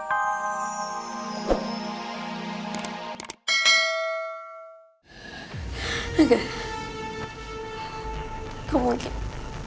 aku mau ke rumah